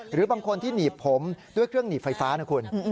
หรือบางคนที่หนีบผมด้วยเครื่องหนีบไฟฟ้านะคุณ